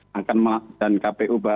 dan kpu bawaslu yang baru akan dilantik